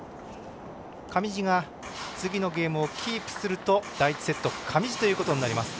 上地が次のゲームをキープすると第１セット上地ということになります。